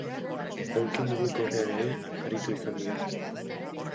Aulki mugikorrean ere aritu izan dira.